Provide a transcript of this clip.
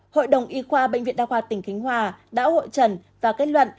hội đồng y khoa bệnh viện đa khoa tỉnh khánh hòa đã hội trần và kết luận